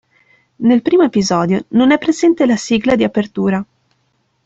Nel primo episodio non è presente la sigla di apertura.